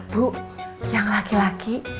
bu yang laki laki